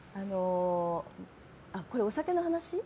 これ、お酒の話？